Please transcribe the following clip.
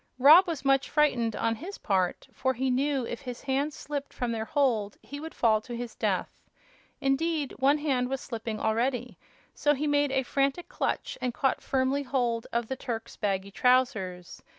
Rob was much frightened, on his part, for he knew if his hands slipped from their hold he would fall to his death. Indeed, one hand was slipping already, so he made a frantic clutch and caught firmly hold of the Turk's baggy trousers.